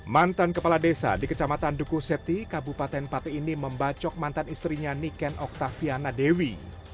mantan kepala desa di kecamatan duku seti kabupaten pati ini membacok mantan istrinya niken oktaviana dewi